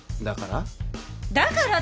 だから？